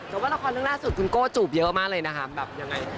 แต่ว่าละครเรื่องล่าสุดคุณโก้จูบเยอะมากเลยนะคะแบบยังไง